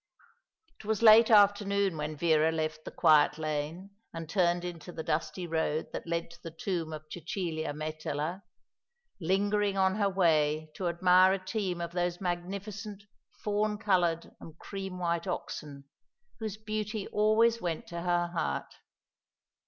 It was late afternoon when Vera left the quiet lane and turned into the dusty road that led to the tomb of Cecilia Metella; lingering on her way to admire a team of those magnificent fawn coloured and cream white oxen, whose beauty always went to her heart.